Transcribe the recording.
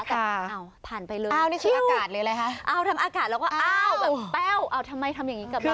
แบบอ้าวผ่านไปเลยอ้าวทำอากาศแล้วก็อ้าวแบบแป้วทำไมทำอย่างนี้กับเรา